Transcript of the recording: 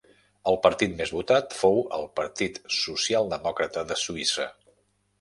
El partit més votat fou el Partit Socialdemòcrata de Suïssa.